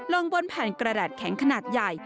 ลงบนแผ่นกระดาษแข็งขนาดใหญ่